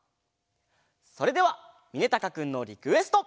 それではみねたかくんのリクエスト！